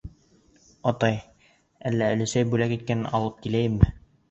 — Атай, әллә өләсәй бүләк иткәнен алып киләйемме?